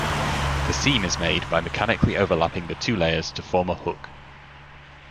The seam is made by mechanically overlapping the two layers to form a hook.